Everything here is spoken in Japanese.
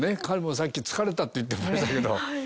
彼もさっき「疲れた」って言ってましたけど。